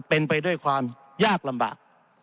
เป็นไปด้วยความยากลำบาก